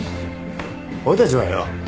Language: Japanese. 俺たちはよ